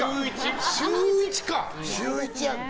週１やんか！